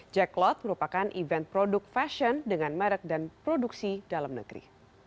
jack clot merupakan event produk fashion dengan merek dan produksi dalam negeri